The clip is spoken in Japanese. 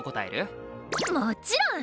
もちろん！